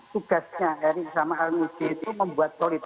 tugasnya eric sama al nuzi itu membuat solid